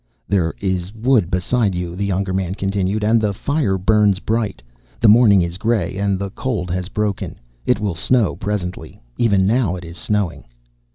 "There be wood beside you," the younger man continued, "and the fire burns bright. The morning is gray, and the cold has broken. It will snow presently. Even now is it snowing."